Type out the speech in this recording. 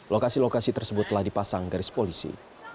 lokasi lokasi tersebut telah dipasang garis polisi